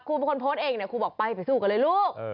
เป็นคนโพสต์เองเนี่ยครูบอกไปไปสู้กันเลยลูก